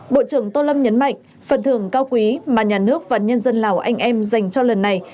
bộ trưởng tô lâm nhấn mạnh phần thưởng cao quý mà nhà nước và nhân dân lào anh em dành cho lần này